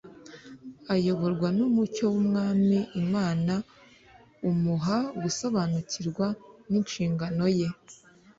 Ayoborwa n'umucyo w'Umwami Imana umuha gusobanukirwa n'inshingano ye